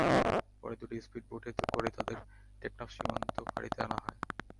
পরে দুটি স্পিড বোটে করে তাঁদের টেকনাফ সীমান্ত ফাঁড়িতে আনা হয়।